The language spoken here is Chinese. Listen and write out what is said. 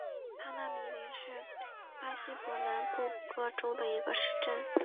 帕纳米林是巴西伯南布哥州的一个市镇。